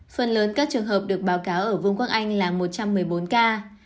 phần lớn các trường hợp được báo cáo ở vương quốc anh là một trăm một mươi bốn ca